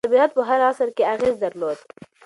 طبیعت په هر عصر کې اغېز درلود.